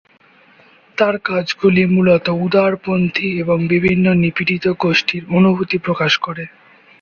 তার কাজগুলি মূলত উদারপন্থী এবং বিভিন্ন নিপীড়িত গোষ্ঠীর অনুভূতি প্রকাশ করে।